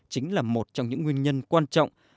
chính là một trong những nguyên nhân quan trọng